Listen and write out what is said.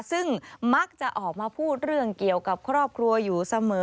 ซึ่งมักจะออกมาพูดเรื่องเกี่ยวกับครอบครัวอยู่เสมอ